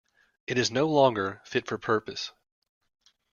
It is no longer fit for purpose.